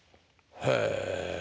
へえ！